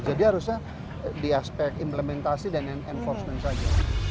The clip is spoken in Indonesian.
jadi harusnya di aspek implementasi dan enforcement saja